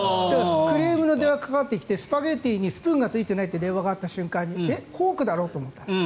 クレームの電話がかかってきてスパゲティにスプーンがついていないという電話があった瞬間にフォークだろと思った。